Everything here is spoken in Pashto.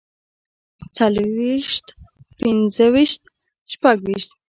څلورويشت پنځويشت شپږويشت